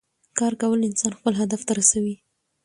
کار کول انسان خپل هدف ته رسوي